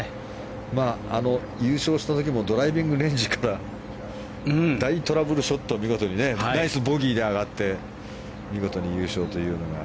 優勝した時もドライビングレンジから大トラブルショットを見事にナイスボギーで上がって見事に優勝というのが。